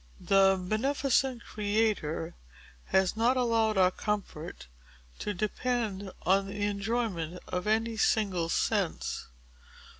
The beneficent Creator has not allowed our comfort to depend on the enjoyment of any single sense.